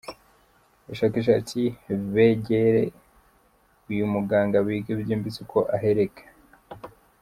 Abashakashatsi begere uyu muganga bige byimbitse uko ahereka.